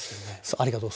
ありがとう。